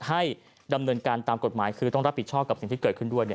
ให้ดำเนินการตามกฎหมายคือต้องรับผิดชอบกับสิ่งที่เกิดขึ้นด้วย